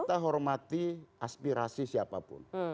kita hormati aspirasi siapapun